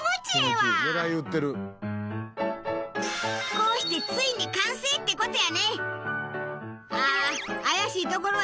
こうしてついに完成って事やね。